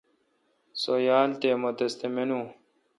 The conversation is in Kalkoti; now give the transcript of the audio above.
سو یال تھ مہ تس تہ مینو۔